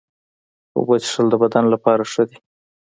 اوبه څښل د بدن لپاره ښه دي.